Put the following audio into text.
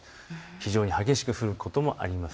非常に激しく降ることもある。